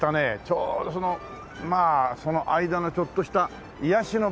ちょうどそのまあその間のちょっとした癒やしの場所というかね